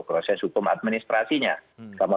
proses hukum administrasinya